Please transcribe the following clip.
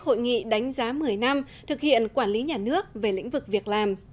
hội nghị đánh giá một mươi năm thực hiện quản lý nhà nước về lĩnh vực việc làm